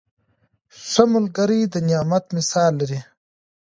ښه ملګری د نعمت مثال لري.